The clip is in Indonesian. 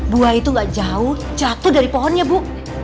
dua itu gak jauh jatuh dari pohonnya bu